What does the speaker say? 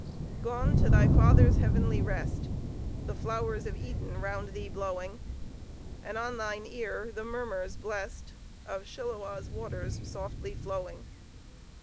Gone to thy Heavenly Father's rest The flowers of Eden round thee blowing! And, on thine ear, the murmurs blest Of Shiloah's waters softly flowing!